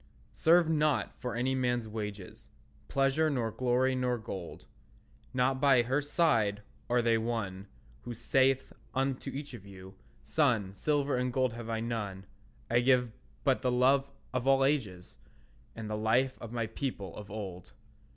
Serve not for any man's wages, Pleasure nor glory nor gold; Not by her side are they won Who saith unto each of you, "Son, Silver and gold have I none; I give but the love of all ages, And the life of my people of old."